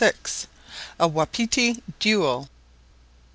A WAPITI DUEL.